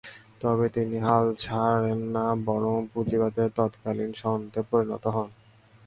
তবে তিনি হাল ছাড়েন না, বরং পুঁজিবাদের তৎকালীন সন্তে পরিণত হন।